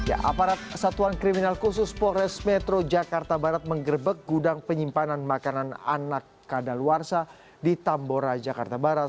aparat satuan kriminal khusus pores metro jakarta barat menggerbek gudang penyimpanan makanan anak kadal warsa di tambora jakarta barat